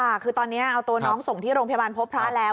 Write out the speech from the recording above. ค่ะคือตอนนี้เอาตัวน้องส่งที่โรงพยาบาลพบพระแล้ว